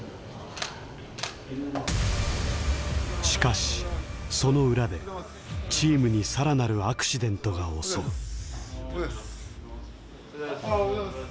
しかしその裏でチームにさらなるアクシデントが襲う。